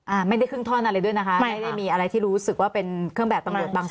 อ่าไม่ได้ครึ่งท่อนอะไรด้วยนะคะไม่ได้มีอะไรที่รู้สึกว่าเป็นเครื่องแบบตำรวจบางคน